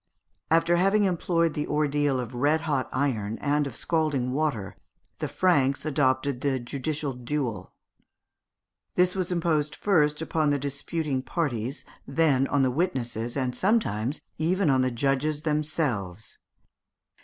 After having employed the ordeal of red hot iron, and of scalding water, the Franks adopted the judicial duel (Fig. 300). This was imposed first upon the disputing parties, then on the witnesses, and sometimes even on the judges themselves.